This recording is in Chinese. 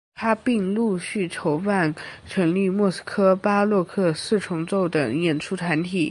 他并陆续筹办成立莫斯科巴洛克四重奏等演出团体。